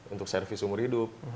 untuk service umur hidup